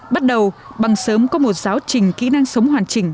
bắt đầu bằng sớm có một giáo trình kỹ năng sống hoàn chỉnh